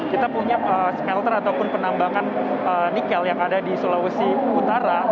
kita punya smelter ataupun penambangan nikel yang ada di sulawesi utara